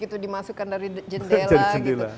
itu dimasukkan dari jendela